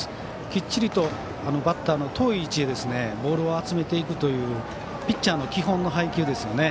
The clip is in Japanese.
きっちりとバッターの遠い位置へボールを集めていくというピッチャーの基本の配球ですね。